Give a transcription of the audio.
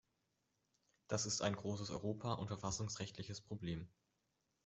Das ist ein großes europa- und verfassungsrechtliches Problem.